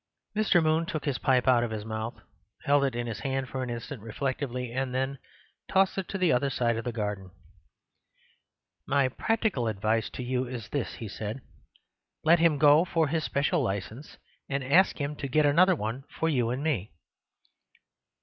Mr. Moon took his pipe out of his mouth, held it in his hand for an instant reflectively, and then tossed it to the other side of the garden. "My practical advice to you is this," he said: "Let him go for his special licence, and ask him to get another one for you and me."